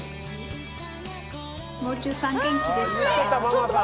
もう中さん元気ですか？